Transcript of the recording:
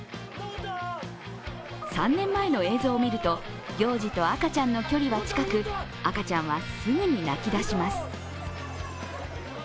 ３年前の映像を見ると行司と赤ちゃんの距離は近く、赤ちゃんは、すぐに泣き出します。